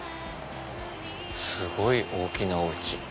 すごい大きなお家。